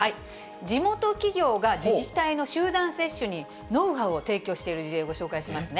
地元企業が、自治体の集団接種にノウハウを提供している事例、ご紹介しますね。